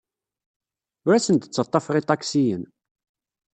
Ur asen-d-ttaḍḍafeɣ iṭaksiyen.